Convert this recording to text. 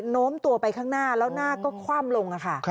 โน้มตัวไปข้างหน้าแล้วหน้าก็คว่ำลงค่ะ